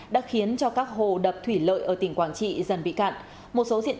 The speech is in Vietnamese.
đã khiến cho các hồ đập thủy lợi ở tỉnh quảng trị dần bị cạn